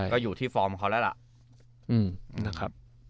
ก็อยู่ที่ฟอร์มเขาแล้วล่ะ